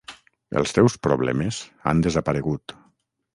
Els teus problemes han desaparegut.